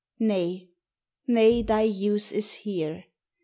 Nay, nay, thy use is here.